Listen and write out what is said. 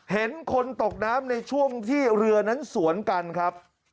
เห็นคนตกน้ำในช่วงที่เรือนั้นสวนกันครับ